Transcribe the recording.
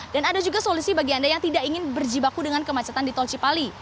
dan ada juga solusi bagi anda yang tidak ingin berjibaku dengan kemacetan di tol cipali